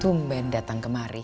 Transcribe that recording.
jangan harap kamu akannya semia